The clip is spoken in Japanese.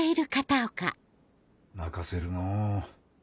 泣かせるのう。